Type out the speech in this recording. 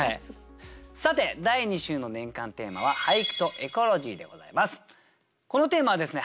さて第２週の年間テーマはこのテーマはですね